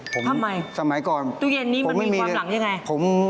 ทำไมตู้เย็นนี่มันมีความหลังใช่ไหมสมัยก่อนผมไม่มี